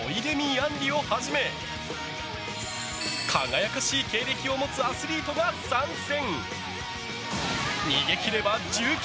杏利をはじめ輝かしい経歴を持つアスリートが参戦。